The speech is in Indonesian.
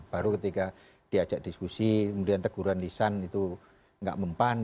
baru ketika diajak diskusi kemudian teguran lisan itu nggak mempan